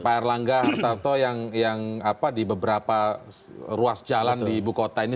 pak erlangga hartarto yang di beberapa ruas jalan di ibu kota ini